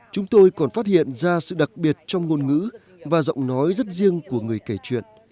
chúng tôi còn phát hiện ra sự đặc biệt trong ngôn ngữ và giọng nói rất riêng của người kể chuyện